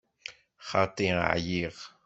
Xaṭi, εyiɣ.